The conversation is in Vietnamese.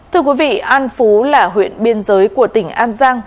thưa quý vị an phú là huyện biên giới của tỉnh an giang